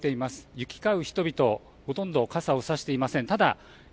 行き交う人々ほとんど傘を差していません。